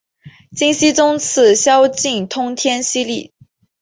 金熙宗赐萧肄通天犀带。